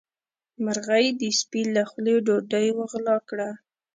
مرغۍ د سپي له خولې ډوډۍ وغلا کړه.